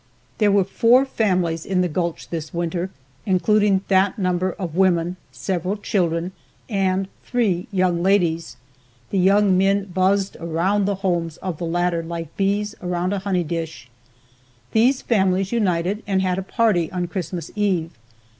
There were four families in the gulch this winter, including that number of women, several children and three young ladies. The young men buzzed around the homes of the latter like bees about a honey dish. These families united and had a party on Christmas Eve.